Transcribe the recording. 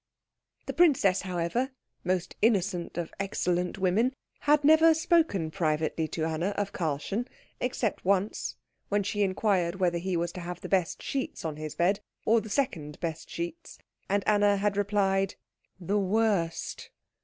The princess, however, most innocent of excellent women, had never spoken privately to Anna of Karlchen except once, when she inquired whether he were to have the best sheets on his bed, or the second best sheets; and Anna had replied, "The worst."